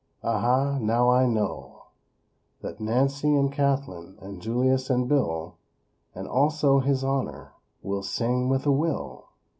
_ Aha, now I know That Nancy and Kathlyn And Julius and Bill And also His Honor, Will sing with a will!